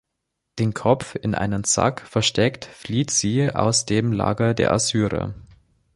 Den Kopf in einem Sack versteckt, flieht sie aus dem Lager der Assyrer.